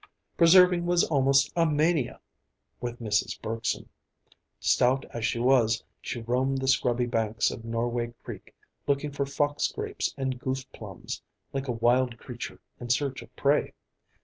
Preserving was almost a mania with Mrs. Bergson. Stout as she was, she roamed the scrubby banks of Norway Creek looking for fox grapes and goose plums, like a wild creature in search of prey.